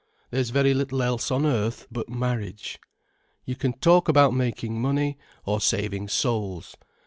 —There's very little else, on earth, but marriage. You can talk about making money, or saving souls.